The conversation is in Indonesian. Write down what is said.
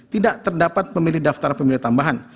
tidak terdapat pemilih daftar pemilih tambahan